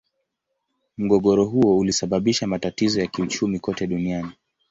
Mgogoro huo ulisababisha matatizo ya kiuchumi kote duniani.